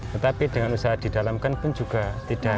tetapi dengan usaha didalamkan pun juga tidak